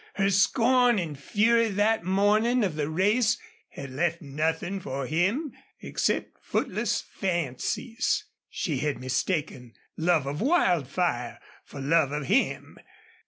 Her scorn and fury that morning of the race had left nothing for him except footless fancies. She had mistaken love of Wildfire for love of him.